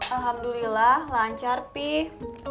alhamdulillah lancar pih